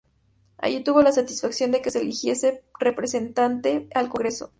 Allí tuvo la satisfacción de que se le eligiese representante al Congreso.